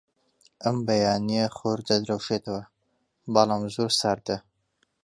ئەم بەیانییە خۆر دەدرەوشێتەوە، بەڵام زۆر ساردە.